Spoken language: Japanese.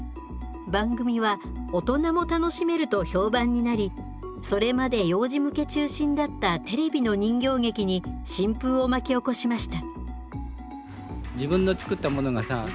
番組は大人も楽しめると評判になりそれまで幼児向け中心だったテレビの人形劇に新風を巻き起こしました。